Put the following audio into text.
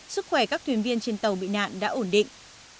sức khỏe các thuyền viên trên tàu bị nạn đã ổn định